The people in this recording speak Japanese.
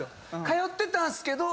通ってたんすけど。